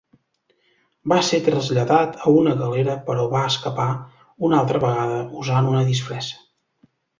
Va ser traslladat a una galera però va escapar una altra vegada usant una disfressa.